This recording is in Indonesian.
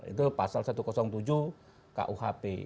itu pasal satu ratus tujuh kuhp